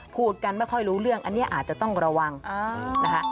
พูดกันไม่ค่อยรู้เรื่องอันนี้อาจจะต้องระวังนะคะ